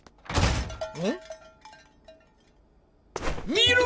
見ろ！